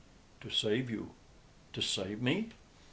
"To save you." "To save me?"